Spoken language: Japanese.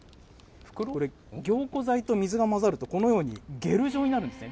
これ、凝固剤と水が混ざるとこのようにゲル状になるんですね。